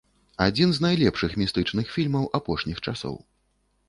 Адзін з найлепшых містычных фільмаў апошніх часоў.